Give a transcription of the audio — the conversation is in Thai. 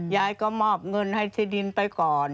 ยายก็มอบเงินให้ที่ดินไปก่อน